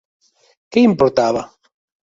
Què importava?